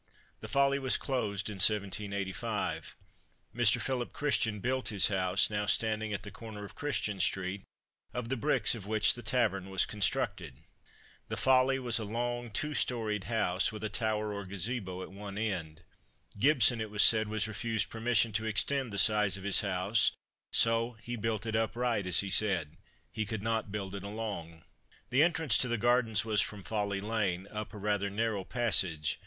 The Folly was closed in 1785. Mr. Philip Christian built his house, now standing at the corner of Christian street, of the bricks of which the Tavern was constructed. The Folly was a long two storied house, with a tower or gazebo at one end. Gibson, it was said, was refused permission to extend the size of his house, so "he built it upright," as he said "he could not build it along." The entrance to the Gardens was from Folly lane, up a rather narrow passage.